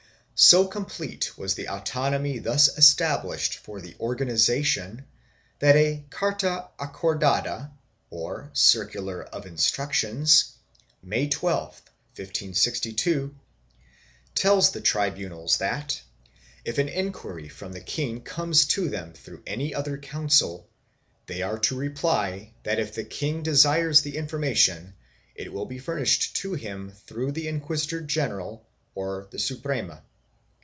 2 So complete was the autonomy thus established for the organization that a carta acordada or circular of instructions, May 12, 1562, tells the tribunals that, if an inquiry from the king comes to them through any other council, they are to reply that if the king desires the information it will be furnished to him through the inquisitor general or the Suprema.